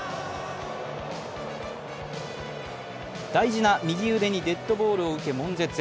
大事な右腕にデッドボールを受けもん絶。